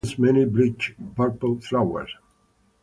The head contains many bright purple flowers.